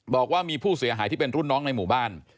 บอกว่ามีผู้เสียหายที่เป็นรุ่นน้องในหมู่บ้าน